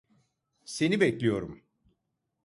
Seni bekliyorum.